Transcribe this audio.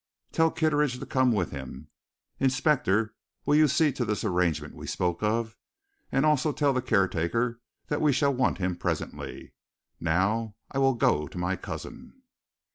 Tell Kitteridge to come with him. Inspector, will you see to this arrangement we spoke of, and also tell the caretaker that we shall want him presently? Now I will go to my cousin."